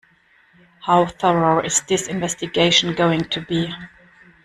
How thorough is this investigation going to be?